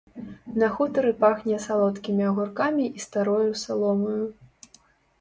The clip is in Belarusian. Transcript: На хутары пахне салодкімі агуркамі і старою саломаю.